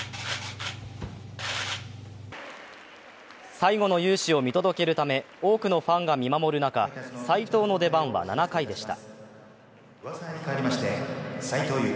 最後の勇姿を見届けるため多くのファンが見守る中、斎藤の出番は７回でした。